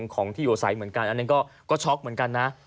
ของที่อยู่อาศัยเหมือนกันอันนั้นก็ช็อกเหมือนกันนะ